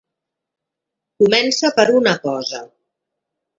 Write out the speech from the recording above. Comença per una cosa.